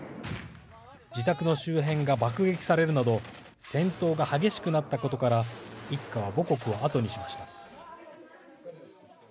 自宅の周辺が爆撃されるなど戦闘が激しくなったことから一家は母国を後にしました。